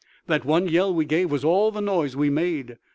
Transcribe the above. That one yell we gave was all the noise we made.